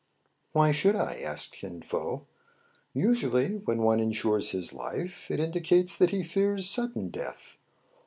"Why should I.?" asked Kin Fo. "Usually, when one insures his life, it indicates that he fears sudden death."